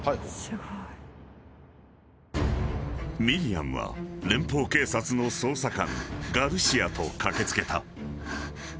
［ミリアムは連邦警察の捜査官ガルシアと駆け付けた］